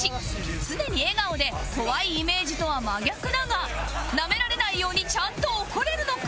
常に笑顔で怖いイメージとは真逆だがナメられないようにちゃんと怒れるのか？